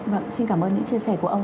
vâng xin cảm ơn những chia sẻ của ông